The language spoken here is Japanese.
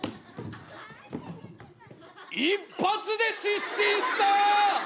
一発で失神した！